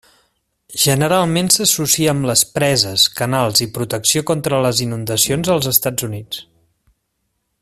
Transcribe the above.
Generalment s'associa amb les preses, canals i protecció contra les inundacions als Estats Units.